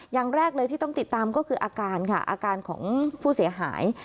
อย่างแรกเลยที่ต้องติดตามก็คืออาการค่ะอาการของผู้เสียหาย